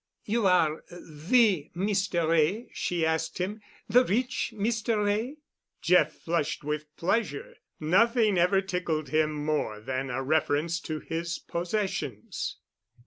"You are the Mr. Wray?" she asked him. "The rich Mr. Wray?" Jeff flushed with pleasure. Nothing ever tickled him more than a reference to his possessions.